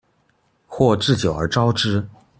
或置酒而招之